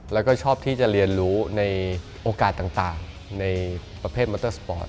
แล้วก็ชอบที่จะเรียนรู้ในโอกาสต่างในประเภทมอเตอร์สปอร์ต